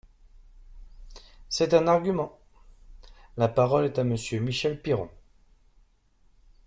C’est un argument ! La parole est à Monsieur Michel Piron.